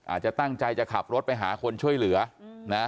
อาจจะตั้งใจจะขับรถไปหาคนช่วยเหลือนะ